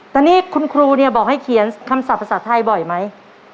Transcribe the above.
แต่นี่คุณครูเนี่ยบอกให้เขียนคำศัพท์ภาษาไทยบ่อยไหม